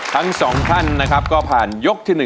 ทั้ง๒ท่านนะครับก็ผ่านยกที่๑